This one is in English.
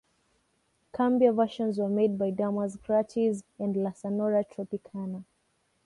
Cumbia versions were made by Damas Gratis and La Sonora Tropicana.